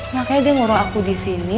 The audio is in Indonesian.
makanya dia ngurang aku disini